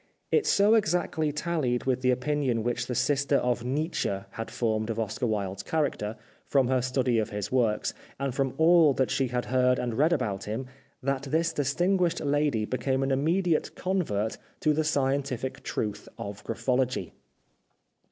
It so exactly tallied with the opinion which the sister of Nietzsche had formed of Oscar Wilde's character, from her study of his works, and from all that she had heard and read about him, that this distinguished lady 356 The Life of Oscar Wilde became an immediate convert to the scientific truth of graphology.